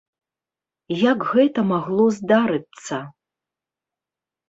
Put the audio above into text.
Як гэта магло здарыцца?